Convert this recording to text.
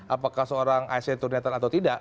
apakah seorang asn itu netral atau tidak